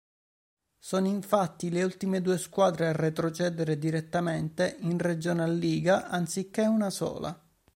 Sono infatti le ultime due squadre a retrocedere direttamente in Regionalliga, anziché una sola.